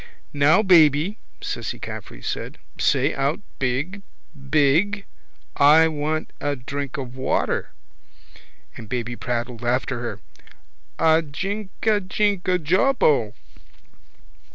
—Now, baby, Cissy Caffrey said. Say out big, big. I want a drink of water. And baby prattled after her: —A jink a jink a jawbo.